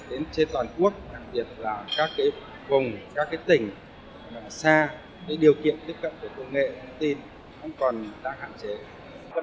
hiện tại điều khó khăn với các thiết bị mobile và cũng quen với việc tiếp cận với các phương mặt thức thanh toán hiện đại